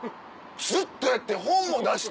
ずっとやって本も出して。